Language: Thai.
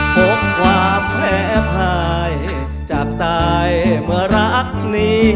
พบความแพ้ภายจากตายเมื่อรักนี้